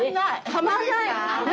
はまんない。